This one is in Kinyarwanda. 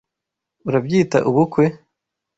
Urabyita ubukwe? (fcbond)